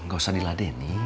gak usah diladeni